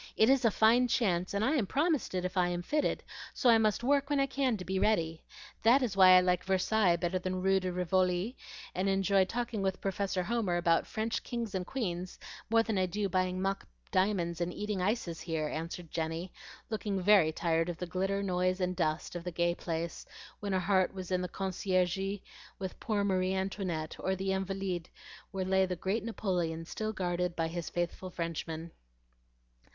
It is a fine chance, and I am promised it if I am fitted; so I must work when I can to be ready. That is why I like Versailles better than Rue de Rivoli, and enjoy talking with Professor Homer about French kings and queens more than I do buying mock diamonds and eating ices here," answered Jenny, looking very tired of the glitter, noise, and dust of the gay place when her heart was in the Conciergerie with poor Marie Antoinette, or the Invalides, where lay the great Napoleon still guarded by his faithful Frenchmen.